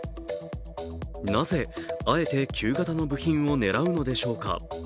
なぜ、あえて旧型の部品を狙うのでしょうか。